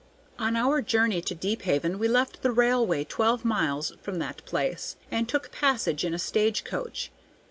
On our journey to Deephaven we left the railway twelve miles from that place, and took passage in a stage coach.